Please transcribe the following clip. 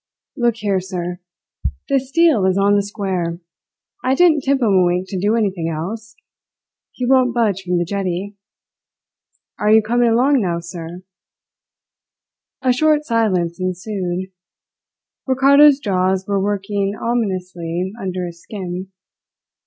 Look here, sir! This deal is on the square. I didn't tip him a wink to do anything else. He won't budge from the jetty. Are you coming along now, sir?" A short silence ensued. Ricardo's jaws were working ominously under his skin.